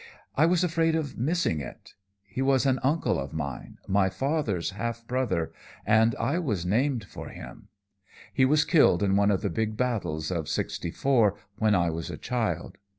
I was afraid of missing it. He was an uncle of mine, my father's half brother, and I was named for him. He was killed in one of the big battles of Sixty four, when I was a child.